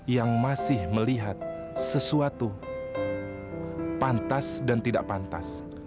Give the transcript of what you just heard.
yang masih melihat sesuatu pantas dan tidak pantas